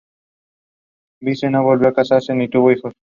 Velis-Meza no volvió a casarse ni tuvo hijos.